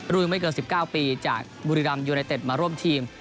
ไม่เกิน๑๙ปีจากบุรีรัมยูไนเต็ดมาร่วมทีม